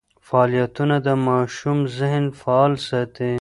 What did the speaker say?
فعالیتونه د ماشوم ذهن فعال ساتي.